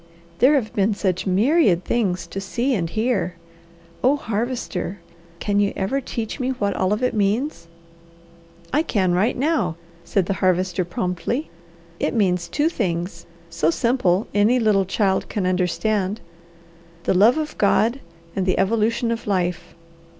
There have been such myriad things to see and hear. Oh, Harvester, can you ever teach me what all of it means?" "I can right now," said the Harvester promptly. "It means two things, so simple any little child can understand the love of God and the evolution of life.